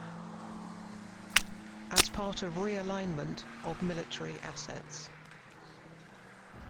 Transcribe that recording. As part of realignment of military assets.